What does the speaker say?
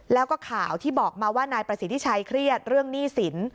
แล้วก็ข่าวที่บอกมาว่านายประสิทธิชัยเครียดเรื่องหนี้สิน